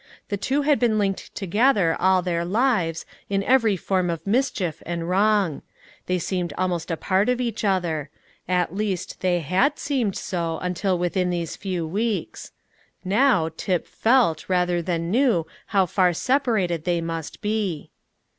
The two had been linked together all their lives in every form of mischief and wrong; they seemed almost a part of each other, at least, they had seemed so until within these few weeks. Now, Tip felt rather than knew how far separated they must be.